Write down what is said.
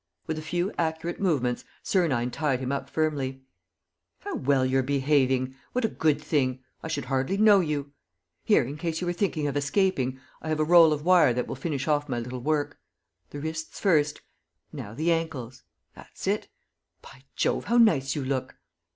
With a few accurate movements, Sernine tied him up firmly: "How well you're behaving! What a good thing! I should hardly know you. Here, in case you were thinking of escaping, I have a roll of wire that will finish off my little work. ... The wrists first. ... Now the ankles. ... That's it! ... By Jove, how nice you look!"